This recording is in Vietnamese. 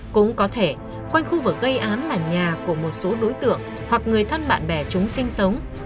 cũng có thể quanh khu vực gây án là nhà của một số đối tượng hoặc người thân bạn bè chúng sinh sống